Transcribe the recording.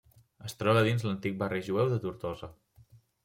Es troba dins l'antic barri jueu de Tortosa.